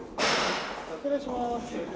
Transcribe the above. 失礼します。